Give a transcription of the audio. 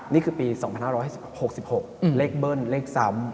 นี่คือปี๒๕๖๖เลขเบิ้ลเลขซ้ำ